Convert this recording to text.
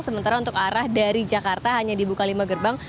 sementara untuk arah dari jakarta hanya dibuka lima gerbang